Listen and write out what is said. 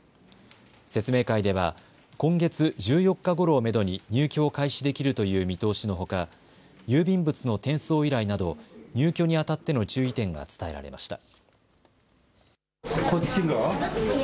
説明会では今月１４日ごろをめどに入居を開始できるという見通しのほか、郵便物の転送依頼など入居にあたっての注意点が伝えられました。